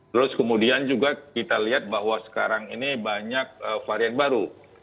terus kemudian juga kita lihat bahwa sekarang ini banyak varian baru